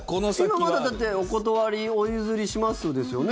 今、まだ、だってお断り、お譲りしますですよね。